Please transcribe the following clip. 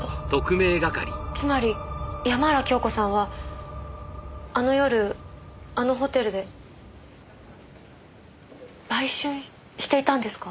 つまり山原京子さんはあの夜あのホテルで売春していたんですか？